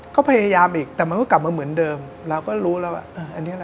ก็พยายามอีกแต่มันก็กลับมาเหมือนเดิมเราก็รู้แล้วว่าอันนี้แหละ